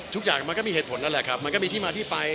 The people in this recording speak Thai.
มันก็มีเหตุผลนั่นแหละครับมันก็มีที่มาที่ไป